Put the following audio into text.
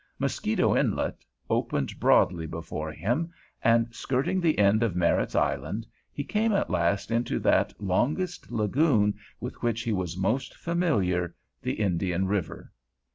Mosquito Inlet opened broadly before him, and skirting the end of Merritt's Island he came at last into that longest lagoon, with which he was most familiar, the Indian River.